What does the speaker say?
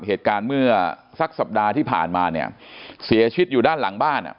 เหตุการณ์เมื่อสักสัปดาห์ที่ผ่านมาเนี่ยเสียชีวิตอยู่ด้านหลังบ้านอ่ะ